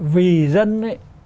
vì dân ấy